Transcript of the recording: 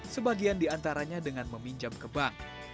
sebagian diantaranya dengan meminjam ke bank